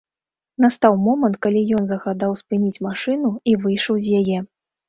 Настаў момант, калі ён загадаў спыніць машыну і выйшаў з яе.